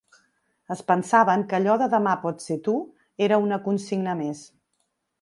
Es pensaven que allò de “demà pots ser tu” era una consigna més.